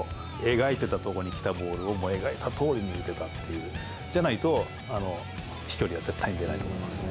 描いてたところにきたボールを描いてたとおりに打てたっていう、じゃないと、あの飛距離は絶対に出ないと思いますね。